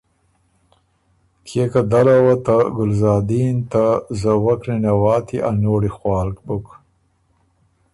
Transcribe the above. کيې که دله وه ته ګلزادین ته زوَک نِنواتيې ا نوړی خوالک بُک۔